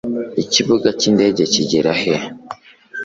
ikibuga cyindege kigera he